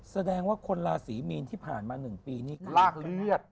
แสดงว่าคนราศีมีนที่ผ่านมา๑ปีนี้ลากเลือด